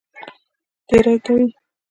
تېری کوي.